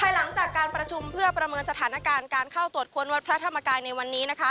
หลังจากการประชุมเพื่อประเมินสถานการณ์การเข้าตรวจค้นวัดพระธรรมกายในวันนี้นะคะ